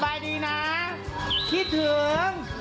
สบายดีนะคิดถึง